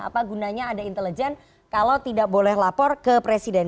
apa gunanya ada intelijen kalau tidak boleh lapor ke presiden